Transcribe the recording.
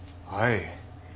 はい。